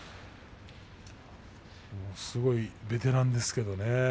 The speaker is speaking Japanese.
すごいベテランですけどね